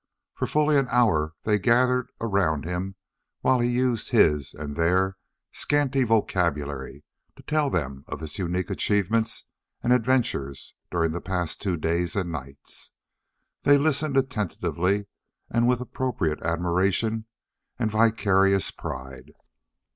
For fully an hour they gathered around him while he used his and their scanty vocabulary to tell them of his unique achievements and adventures during the past two days and nights. They listened attentively and with appropriate admiration and vicarious pride.